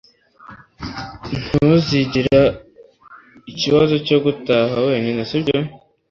Ntuzagira ikibazo cyo gutaha wenyine, sibyo?